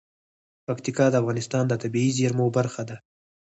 پکتیکا د افغانستان د طبیعي زیرمو برخه ده.